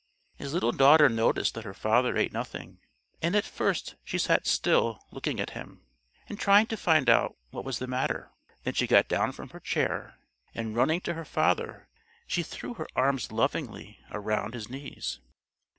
His little daughter noticed that her father ate nothing, and at first she sat still looking at him and trying to find out what was the matter. Then she got down from her chair, and running to her father, she threw her arms lovingly round his knees.